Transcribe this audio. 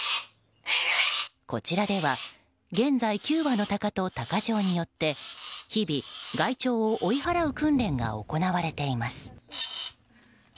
こちらでは現在９羽の鷹と鷹匠によって日々、害鳥を追い払う訓練が行われています。